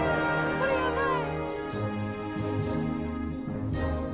これ、やばい。